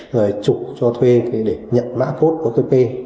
rồi trục cho thuê để nhận mã code otp